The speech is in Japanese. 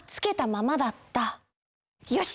よし！